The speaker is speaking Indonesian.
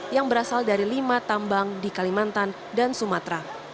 yang berasal dari lima tambang di kalimantan dan sumatera